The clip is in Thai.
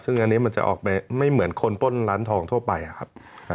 ซึ่งอันนี้มันจะออกไปไม่เหมือนคนปล้นร้านทองทั่วไปครับ